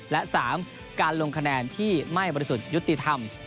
และ๓การลงคะแนนที่ไม่บริสุทธิ์ยุติธรรม